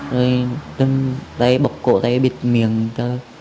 rồi tuyên đây bóp cổ đây bịt miệng thôi